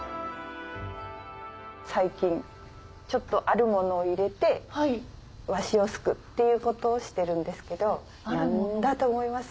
最近ちょっとあるものを入れて和紙を漉くっていうことをしてるんですけど何だと思います？